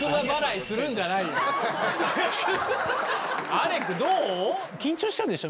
アレクどう？